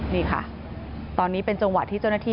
นี่ค่ะตอนนี้เป็นจังหวะที่เจ้าหน้าที่